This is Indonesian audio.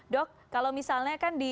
dok kalau misalnya kan di